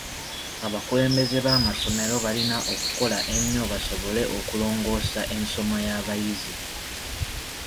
Abakulembeze b'amasomero balina okukola ennyo basobole okulongoosa ensoma y'abayizi.